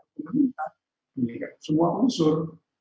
pemerintah memiliki semua unsur